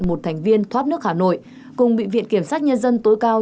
một thành viên thoát nước hà nội cùng bị viện kiểm sát nhân dân tối cao